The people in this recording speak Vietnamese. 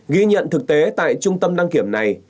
ghi nhận thực tế tại trung tâm đăng kiểm này